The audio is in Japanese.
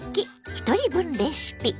ひとり分レシピ」。